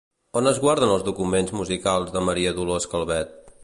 On es guarden els documents musicals de Maria Dolors Calvet?